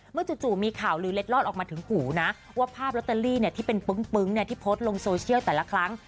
จู่มีข่าวลือเล็ดลอดออกมาถึงหูนะว่าภาพลอตเตอรี่ที่เป็นปึ้งที่โพสต์ลงโซเชียลแต่ละครั้ง